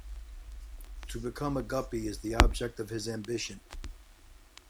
To become a Guppy is the object of his ambition.